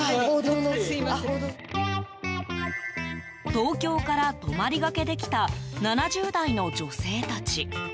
東京から泊まりがけで来た７０代の女性たち。